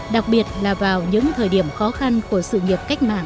đặc biệt là vào những thời điểm khó khăn của sự nghiệp cách mạng